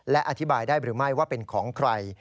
และอธิบายได้หรือไม่ว่าเป็นของใคร